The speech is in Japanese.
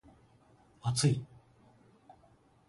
厚い